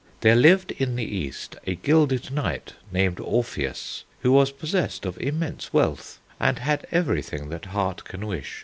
"There lived in the East a gilded knight, named Orpheus, who was possessed of immense wealth, and had everything that heart can wish.